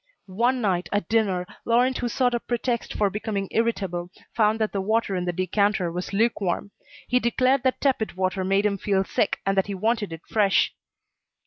One night, at dinner, Laurent who sought a pretext for becoming irritable, found that the water in the decanter was lukewarm. He declared that tepid water made him feel sick, and that he wanted it fresh.